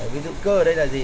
ví dụ cơ ở đây là gì